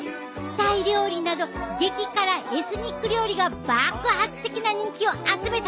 タイ料理など激辛エスニック料理が爆発的な人気を集めたで。